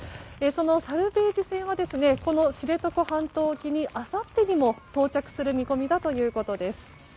そのサルベージ船はこの知床半島沖にあさってにも到着する見込みだということです。